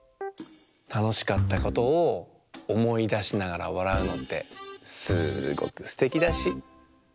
たのしかったことをおもいだしながらわらうのってすごくすてきだし。